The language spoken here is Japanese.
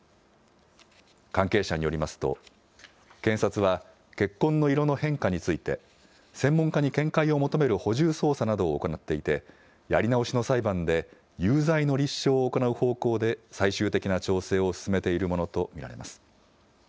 関係者によりますと、検察は、血痕の色の変化について、専門家に見解を求める補充捜査などを行っていて、やり直しの裁判で有罪の立証を行う方向で最終的な調整を進めているものと見られます。